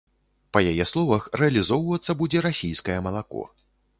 Па яе словах, рэалізоўвацца будзе расійскае малако.